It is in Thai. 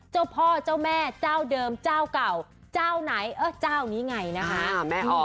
เจ้าพ่อเจ้าแม่เจ้าเดิมเจ้าเก่าเจ้าไหนเออเจ้านี้ไงนะคะ